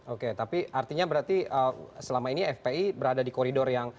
oke tapi artinya berarti selama ini fpi berada di koridor yang